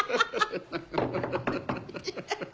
ウハハハ。